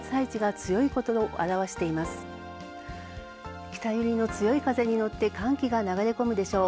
強い北風に乗って寒気が流れ込むでしょう。